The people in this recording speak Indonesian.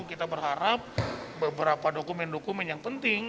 kita berharap beberapa dokumen dokumen yang penting